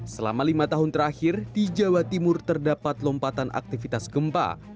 selama lima tahun terakhir di jawa timur terdapat lompatan aktivitas gempa